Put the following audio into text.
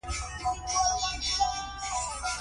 د داوود خان جنګياليو حرکت وکړ.